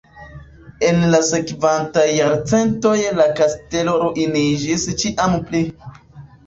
En la sekvantaj jarcentoj la kastelo ruiniĝis ĉiam pli.